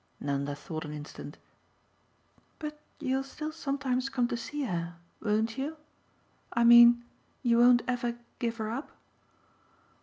Nanda thought an instant. "But you'll still sometimes come to see her, won't you? I mean you won't ever give her up?"